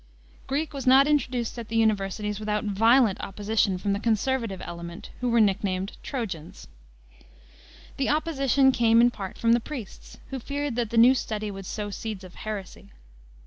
Greek was not introduced at the universities without violent opposition from the conservative element, who were nicknamed Trojans. The opposition came in part from the priests, who feared that the new study would sow seeds of heresy.